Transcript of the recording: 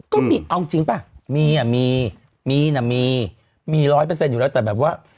ก็มีเอาจริงป่ะมีอ่ะมีมีน่ะมีมีร้อยเปอร์เซ็นต์อยู่แล้วแต่แบบว่า